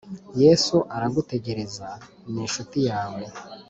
Yesu aragutegereza ni inshuti yawe